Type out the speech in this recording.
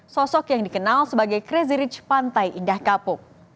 sosok yang dikenal sebagai crazy rich pantai indah kapuk